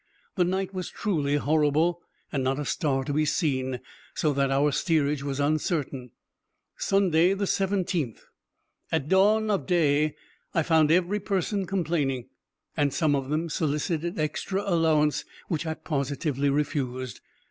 The night was truly horrible, and not a star to be seen, so that our steerage was uncertain. Sunday, 17th.—At dawn of day I found every person complaining, and some of them solicited extra allowance, which I positively refused.